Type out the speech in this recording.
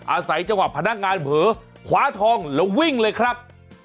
อาศัยจังหวะพนักงานเผลอคว้าทองแล้ววิ่งเลยครับ